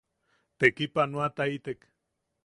Tekipanoataitek.